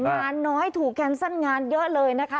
งานน้อยถูกแคนเซิลงานเยอะเลยนะคะ